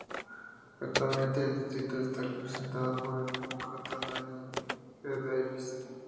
Actualmente el distrito está representado por el Demócrata Danny K. Davis.